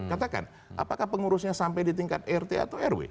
katakan apakah pengurusnya sampai di tingkat ert atau erw